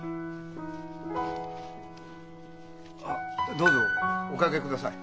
あっどうぞお掛けください。